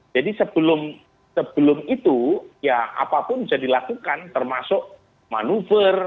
jadi sebelum itu ya apapun bisa dilakukan termasuk manuver